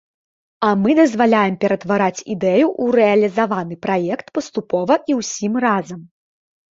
А мы дазваляем ператвараць ідэю ў рэалізаваны праект паступова і ўсім разам.